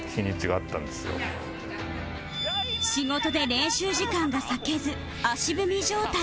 仕事で練習時間が割けず足踏み状態